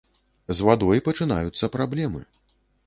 З вадой пачынаюцца праблемы.